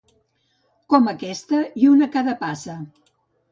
Cap com aquesta, i una a cada passa.